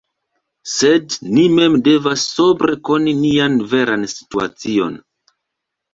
Sed ni mem devas sobre koni nian veran situacion.